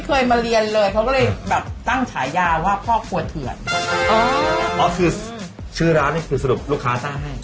เขาก็บอกว่า